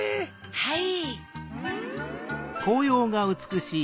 はい。